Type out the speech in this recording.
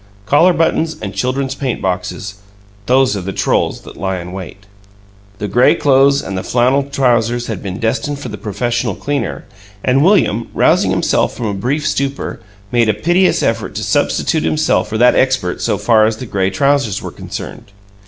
Collar buttons and children's paint boxes those are the trolls that lie in wait! The gray clothes and the flannel trousers had been destined for the professional cleaner, and William, rousing himself from a brief stupor, made a piteous effort to substitute himself for that expert so far as the gray trousers were concerned.